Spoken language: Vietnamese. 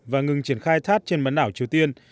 và ngừng triển khai thad trên bản đảo triều tiên